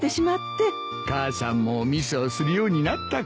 母さんもミスをするようになったか。